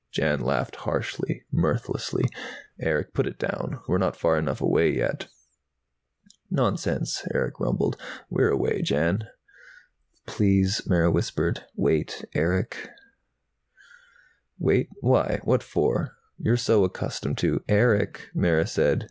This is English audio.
Jan laughed harshly, mirthlessly. "Erick, put it down. We're not far enough away, yet." "Nonsense," Erick rumbled. "We're away, Jan." "Please," Mara whispered. "Wait, Erick." "Wait? Why? What for? You're so accustomed to " "Erick," Mara said.